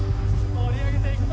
盛り上げていくぞ！